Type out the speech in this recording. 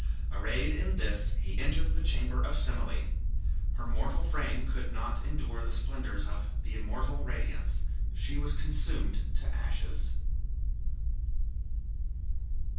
Arrayed in this, he entered the chamber of Semele. Her mortal frame could not endure the splendors of the immortal radiance. She was consumed to ashes.